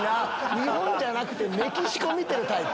日本じゃなくてメキシコ見てるタイプ？